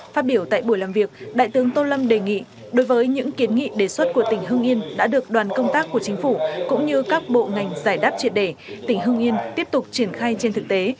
phát biểu tại buổi làm việc đại tướng tô lâm đề nghị đối với những kiến nghị đề xuất của tỉnh hưng yên đã được đoàn công tác của chính phủ cũng như các bộ ngành giải đáp triệt đề tỉnh hưng yên tiếp tục triển khai trên thực tế